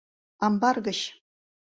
Амбар гыч!..